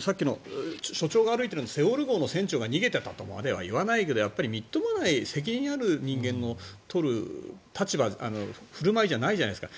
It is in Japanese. さっきの所長が歩いているのは「セウォル号」の船長が逃げていたのとまではいわないけどみっともない責任ある人間の取る振る舞いじゃないじゃないですか。